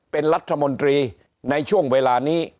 เป็นรัฐมนตรีในช่วงเวลานี้